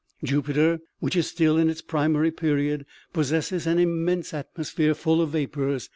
Jupiter, which is still in its primary period, possesses an immense atmosphere full of vapors.